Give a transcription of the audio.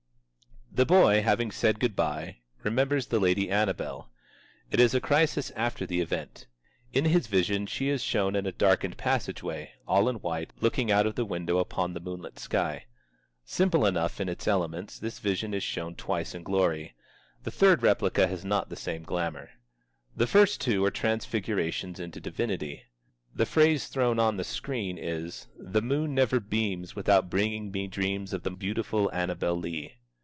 The boy, having said good by, remembers the lady Annabel. It is a crisis after the event. In his vision she is shown in a darkened passageway, all in white, looking out of the window upon the moonlit sky. Simple enough in its elements, this vision is shown twice in glory. The third replica has not the same glamour. The first two are transfigurations into divinity. The phrase thrown on the screen is "The moon never beams without bringing me dreams of the beautiful Annabel Lee."